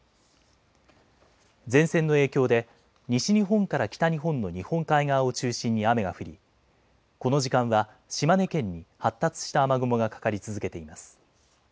前線の影響で西日本から北日本の日本海側を中心に雨が降りこの時間は島根県に発達した雨雲がかかり続けています。